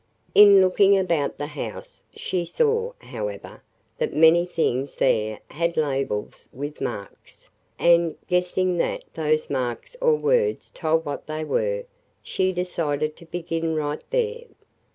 In looking about the house she saw, however, that many things there had labels with marks, and, guessing that those marks or words told what they were, she decided to begin right there.